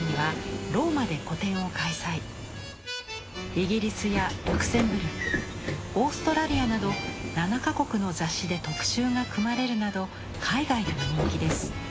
イギリスやルクセンブルクオーストラリアなど７か国の雑誌で特集が組まれるなど海外でも人気です。